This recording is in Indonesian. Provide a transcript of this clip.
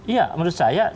iya menurut saya